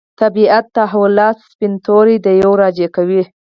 طبیعت تحولات سپین تور دېو راجع کوي.